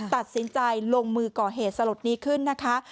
ตัดสินใจลงมือก่อเหตุสลดนี้ขึ้นนะคะ